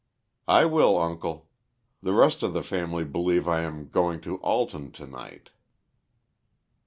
"I will, uncle. The rest of the family believe I am going to Alton to night."